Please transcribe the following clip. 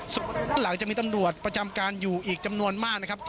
ส่วนหลังจากมีตำรวจประจำการอยู่อีกจำนวนมากนะครับ